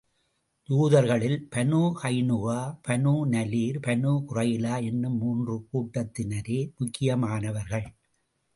யூதர்களில் Banu Qaynuqa, Banu Nadir, Banu Qurayza என்னும் மூன்று கூட்டத்தினரே முக்கியமானவர்கள்.